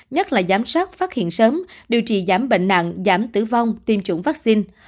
nhất là giám sát phát hiện sớm điều trị giảm bệnh nặng giảm tử vong tiêm chủng vaccine